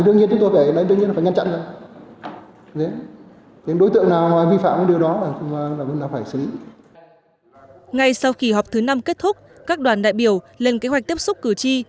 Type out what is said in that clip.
ngay sau kỳ họp thứ năm kết thúc các đoàn đại biểu lên kế hoạch tiếp xúc cử tri